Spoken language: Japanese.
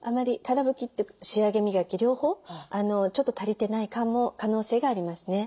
仕上げ磨き両方ちょっと足りてない可能性がありますね。